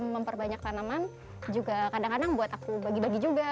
memperbanyak tanaman juga kadang kadang buat aku bagi bagi juga